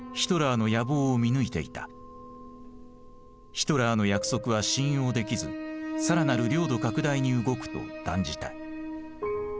ヒトラーの約束は信用できず更なる領土拡大に動くと断じた。